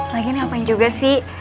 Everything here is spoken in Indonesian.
lagian ya apaan juga sih